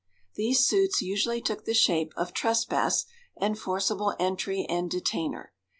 These suits usually took the shape of trespass and forcible entry and detainer.